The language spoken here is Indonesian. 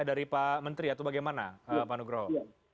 dari pak menteri ya itu bagaimana pak nugroh